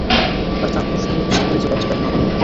আর তারপর, আমরা বুঝতে পারি যে বাচ্চাটার মা তুমি।